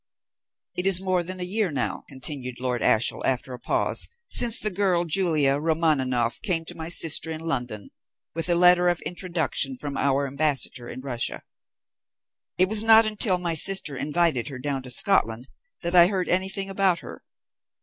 "It is more than a year, now," continued Lord Ashiel, after a pause, "since the girl Julia Romaninov came to my sister in London, with a letter of introduction from our ambassador in Russia. It was not until my sister invited her down to Scotland that I heard anything about her.